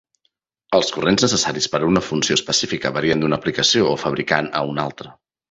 Els corrents necessaris per a una funció específica varien d'una aplicació o fabricant a un altre.